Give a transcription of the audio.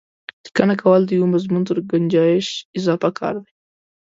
لیکنه کول د یوه مضمون تر ګنجایش اضافه کار دی.